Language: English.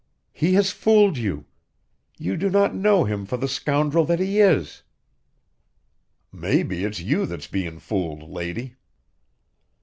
"He has fooled you! You do not know him for the scoundrel that he is." "Maybe it's you that's bein' fooled, lady."